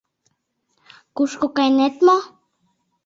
— Кушко кайынет мо?